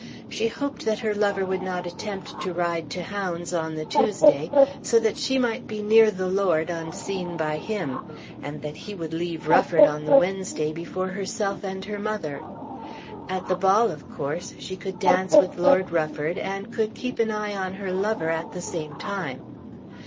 She hoped that her lover would not attempt to ride to hounds on the Tuesday, so that she might be near the lord unseen by him, and that he would leave Rufford on the Wednesday before herself and her mother. At the ball of course she could dance with Lord Rufford, and could keep her eye on her lover at the same time.